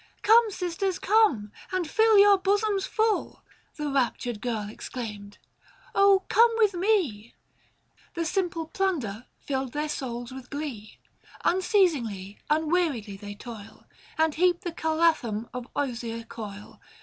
" Come, sisters, come ! and fill your bosoms full !" The raptured girl exclaimed, " come with me." The simple plunder filled their souls with glee.. Unceasingly, unweariedly they toil, 485 And heap the calathum of osier coil.